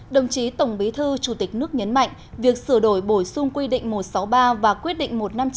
đồng chí tổng bí thư chủ tịch nước nhấn mạnh việc sửa đổi bổ sung quy định một trăm sáu mươi ba và quyết định một trăm năm mươi chín